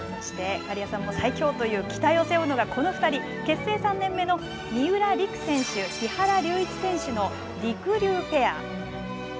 そして刈屋さんも最強という期待を背負うのがこの２人、結成３年目の三浦璃来選手、木原龍一選手のりくりゅうペア。